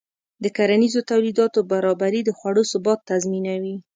د کرنیزو تولیداتو برابري د خوړو ثبات تضمینوي.